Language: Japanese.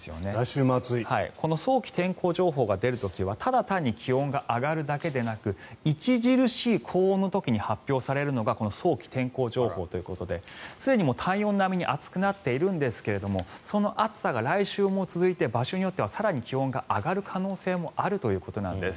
この早期天候情報が出る時はただ単に気温が上がるだけではなく著しい高温の時に発表されるのが早期天候情報ということですでに体温並みに暑くなっているんですがその暑さが来週も続いて場所によっては更に気温が上がる可能性もあるということです。